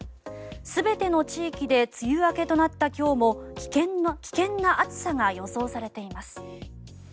全ての地域で梅雨明けとなった今日も危険な暑さが予想されています。